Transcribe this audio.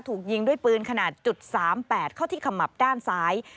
ถูกยิงด้วยปืนขนาด๓๘เข้าที่ขมับด้านซ้าย